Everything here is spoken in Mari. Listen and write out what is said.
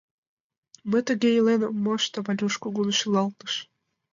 — Мый тыге илен ом мошто, — Валюш кугун шӱлалтыш.